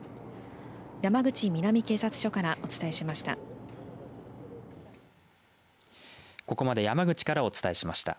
山口南警察署からお伝えしました。